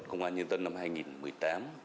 công an nhân dân năm hai nghìn một mươi tám